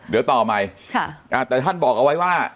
เดี๋ยวต่อใหม่